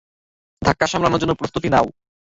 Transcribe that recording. ধাক্কা সামলানোর জন্য প্রস্তুতি নাও।